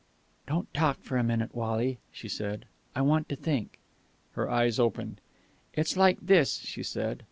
"Don't talk for a minute, Wally," she said. "I want to think." Her eyes opened. "It's like this," she said.